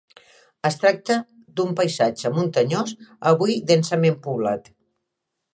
Es tracta d'un paisatge muntanyós, avui densament poblat.